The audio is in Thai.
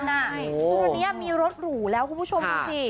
ตอนนี้มีรถหรูแล้วคุณผู้ชมดูสิ